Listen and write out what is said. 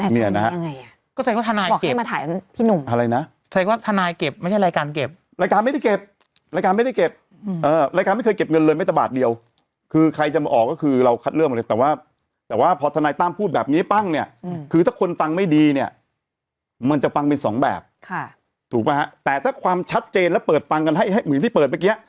แสดงว่าทนายเก็บแสดงว่าทนายเก็บไม่ใช่รายการเก็บรายการไม่ได้เก็บรายการไม่ได้เก็บรายการไม่เคยเก็บเงินเลยไม่แต่บาทเดียวคือใครจะมาออกก็คือเราคัดเรื่องเลยแต่ว่าแต่ว่าพอทนายต้ามพูดแบบนี้ปั้งเนี่ยคือถ้าคนฟังไม่ดีเนี่ยมันจะฟังเป็นสองแบบค่ะถูกไหมฮะแต่ถ้าความชัดเจนและเปิดฟังกันให้